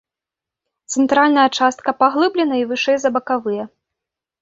Цэнтральная частка паглыблена і вышэй за бакавыя.